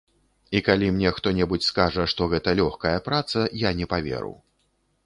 І калі мне хто-небудзь скажа, што гэта лёгкая праца, я не паверу.